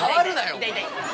痛い痛い。